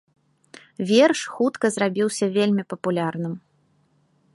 Верш хутка зрабіўся вельмі папулярным.